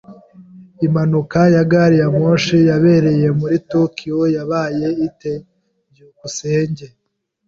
Impanuka ya gari ya moshi yabereye kuri Tokiyo yabaye ite? byukusenge